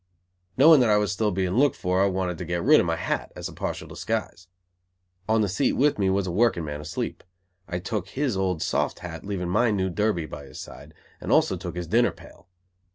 Knowing that I was still being looked for, I wanted to get rid of my hat, as a partial disguise. On the seat with me was a working man asleep. I took his old soft hat, leaving my new derby by his side, and also took his dinner pail.